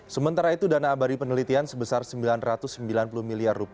sementara itu dana abadi penelitian sebesar rp sembilan ratus sembilan puluh miliar